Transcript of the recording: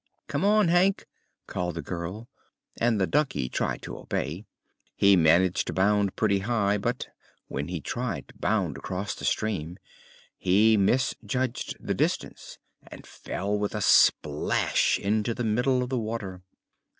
"Come on, Hank!" called the girl, and the donkey tried to obey. He managed to bound pretty high but when he tried to bound across the stream he misjudged the distance and fell with a splash into the middle of the water.